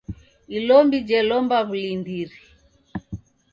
Ilombi jelomba w'ulindiri.